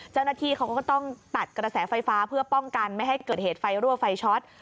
เจ้าหน้าที่เขาก็ต้องตัดกระแสไฟฟ้าเพื่อป้องกันไม่ให้เกิดเหตุไฟรั่วไฟช็อต